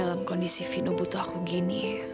dalam kondisi fino butuh aku gini